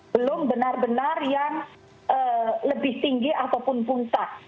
belum benar benar yang lebih tinggi ataupun puncak